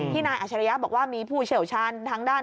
ที่นายอัชริยะบอกว่ามีภูเฉลชันทั้งด้าน